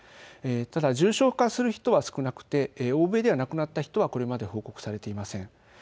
ただ重症化する人は少なくて欧米では亡くなった人はこれまで報告されていません。